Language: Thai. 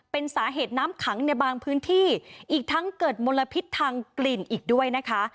เป็นสาเหตุน้ำขังในบางพื้นที่อีกทั้งเกิดมลพิษทางกลิ่นอีกด้วยนะคะ